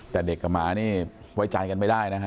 แต่เด็กกับหมานี่ไว้ใจกันไม่ได้นะฮะ